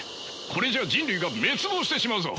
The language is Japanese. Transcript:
これじゃあ人類が滅亡してしまうぞ。